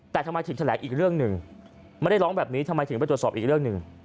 แต่ทำไมถึงแถลงอีกเรื่องหนึ่งไม่ได้ร้องแบบนี้ทำไมถึงไปตรวจสอบอีกเรื่องหนึ่ง